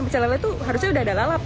pecelele itu harusnya udah ada lalap